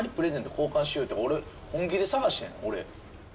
交換しよ言うて俺本気で探したんや。